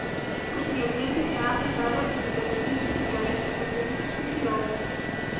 Posteriormente se ha aplicado en diferentes instituciones, tanto públicas como privadas.